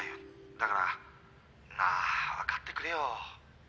だからなあ分かってくれよ」